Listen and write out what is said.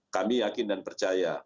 kami yakin dan percaya